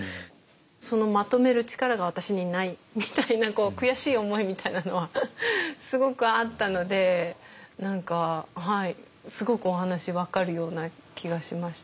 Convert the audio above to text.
そのまとめる力が私にないみたいな悔しい思いみたいなのはすごくあったので何かすごくお話分かるような気がしました。